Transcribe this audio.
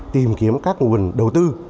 tìm kiếm các nguồn đầu tư